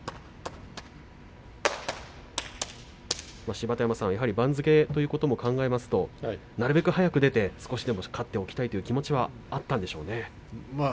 芝田山さん、番付ということを考えますとなるべく早く出て少しでも勝っておきたいという気持ちがあったんでしょうね。